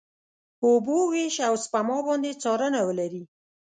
اوبو وېش، او سپما باندې څارنه ولري.